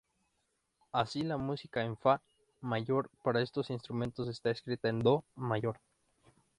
Así, la música en "fa" mayor para estos instrumentos está escrita en "do" mayor.